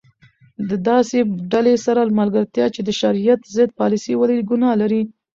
د داسي ډلي سره ملګرتیا چي د شرعیت ضد پالسي ولري؛ ګناه لري.